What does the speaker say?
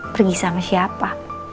pergi sama siapa